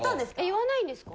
言わないんですか？